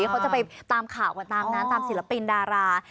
เขาจะไปตามข่าวกันตามนั้นตามศิลปินดารา